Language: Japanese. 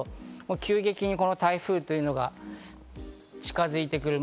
急激にこの台風というのが近づいてくる。